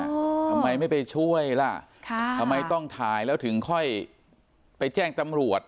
ทำไมไม่ไปช่วยล่ะค่ะทำไมต้องถ่ายแล้วถึงค่อยไปแจ้งตำรวจ